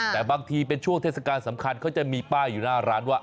แต่บางทีเป็นช่วงเทศกาลสำคัญเขาจะมีป้ายอยู่หน้าร้านว่า